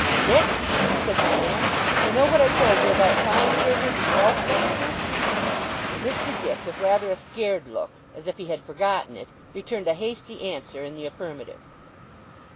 'Dick!' said my aunt. 'You know what I told you about time servers and wealth worshippers?' Mr. Dick with rather a scared look, as if he had forgotten it returned a hasty answer in the affirmative.